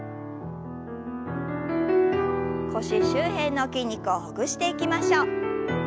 腰周辺の筋肉をほぐしていきましょう。